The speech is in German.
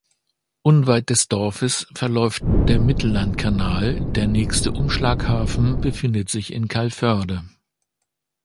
Unweit des Dorfes verläuft der Mittellandkanal der nächste Umschlaghafen befindet sich in Calvörde.